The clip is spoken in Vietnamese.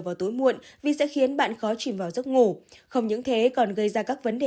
vào tối muộn vì sẽ khiến bạn khó chìm vào giấc ngủ không những thế còn gây ra các vấn đề